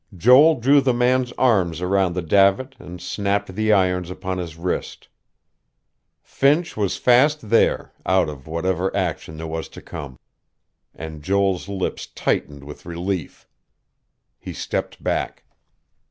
Joel drew the man's arms around the davit, and snapped the irons upon his wrist. Finch was fast there, out of whatever action there was to come. And Joel's lips tightened with relief. He stepped back....